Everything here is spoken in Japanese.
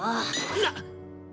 なっ！